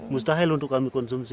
mustahil untuk kami konsumsi